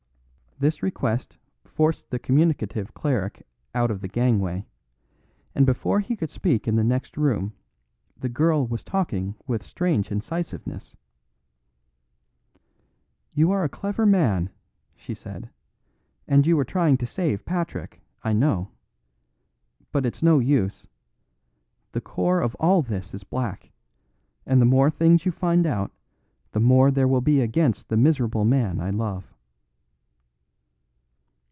This request forced the communicative cleric out of the gangway, and before he could speak in the next room, the girl was talking with strange incisiveness. "You are a clever man," she said, "and you are trying to save Patrick, I know. But it's no use. The core of all this is black, and the more things you find out the more there will be against the miserable man I love."